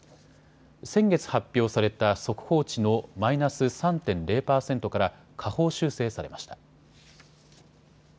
先月、発表された速報値のマイナス３．０％から下方修正されました。